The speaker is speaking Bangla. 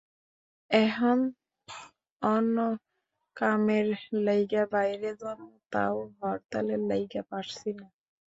এহন অন্য কামের লাইগা বাইরে যামু তাও হরতালের লাইগা পারছি না।